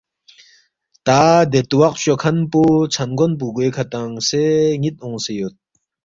تا دے تواق فچوکھن پو ژھن گون پو گوے کھہ تنگسے نِ٘ت اونگسے یود